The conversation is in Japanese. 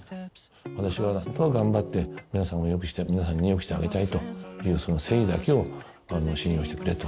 私は頑張って皆さんによくしてあげたいというその誠意だけを信用してくれと。